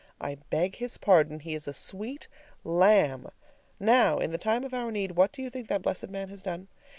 I beg his pardon. He's a sweet lamb. Now, in the time of our need, what do you think that blessed man has done?